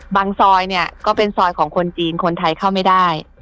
ซอยเนี่ยก็เป็นซอยของคนจีนคนไทยเข้าไม่ได้